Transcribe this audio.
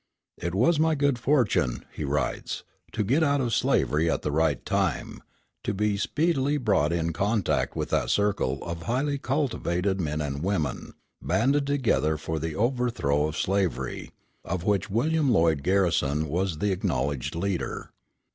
"It was my good fortune," he writes, "to get out of slavery at the right time, to be speedily brought in contact with that circle of highly cultivated men and women, banded together for the overthrow of slavery, of which William Lloyd Garrison was the acknowledged leader.